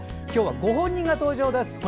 今日はご本人が登場です。